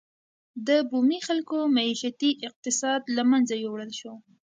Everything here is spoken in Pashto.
د بومي خلکو معیشتي اقتصاد له منځه یووړل شو.